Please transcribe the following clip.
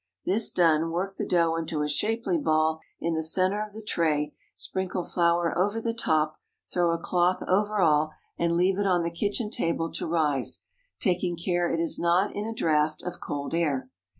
This done, work the dough into a shapely ball in the centre of the tray, sprinkle flour over the top; throw a cloth over all and leave it on the kitchen table to rise, taking care it is not in a draught of cold air.